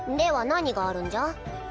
何があるんじゃ？